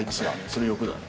それ、欲だね。